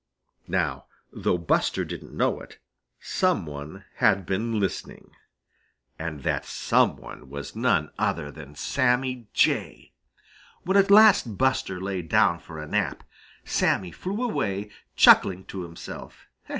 Now though Buster didn't know it, some one had been listening, and that some one was none other than Sammy Jay. When at last Buster lay down for a nap, Sammy flew away, chuckling to himself.